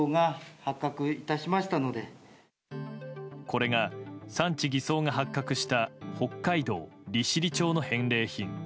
これが、産地偽装が発覚した北海道利尻町の返礼品。